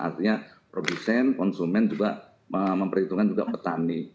artinya produsen konsumen juga memperhitungkan juga petani